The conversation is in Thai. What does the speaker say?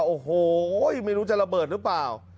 โอ้โหไม่รู้จะระเบิดหรือเปล่า